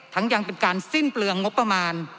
ยังเป็นการสิ้นเปลืองงบประมาณ